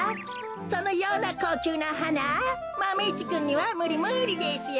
そのようなこうきゅうなはなマメ１くんにはむりむりですよ。